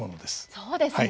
そうですね。